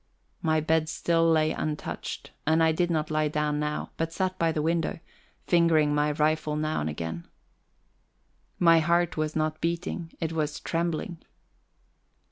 My bed still lay untouched, and I did not lie down now, but sat by the window, fingering my rifle now and again. My heart was not beating it was trembling.